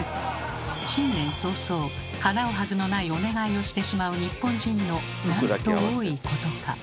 新年早々かなうはずのないお願いをしてしまう日本人のなんと多いことか。